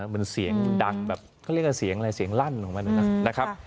มันเสียงดังแบบเขาเรียกว่าเสียงอะไรเสียงลั่นลงไปเลยนะครับ